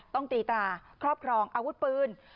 ต้องตีตราครอบครองอาวุธปืน